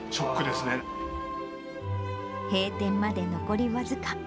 閉店まで残り僅か。